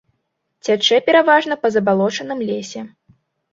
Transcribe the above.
Цячэ пераважна па забалочаным лесе.